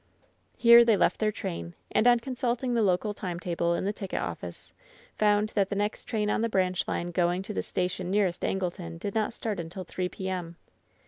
Here they left their train, and on consulting the local time table in the ticket oflSce found that the next train on the branch line going to the station nearest Angleton did not start until 3 p.m.